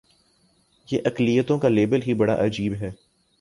یہ اقلیتوں کا لیبل ہی بڑا عجیب ہے۔